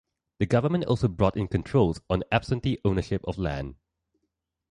The government also brought in controls on absentee ownership of land.